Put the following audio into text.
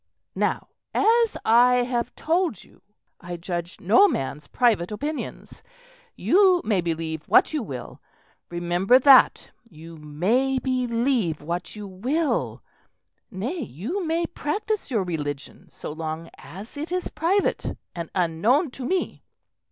"Now, as I have told you, I judge no man's private opinions. You may believe what you will. Remember that. You may believe what you will; nay, you may practise your religion so long as it is private and unknown to me."